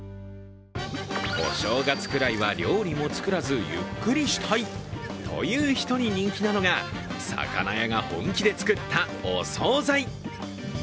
お正月くらいは料理も作らずゆっくりしたいという人に人気なのが、魚屋が本気で作ったお総菜。